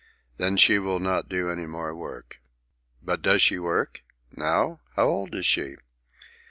Then she will not do any more work." "But does she work? now? How old is she?"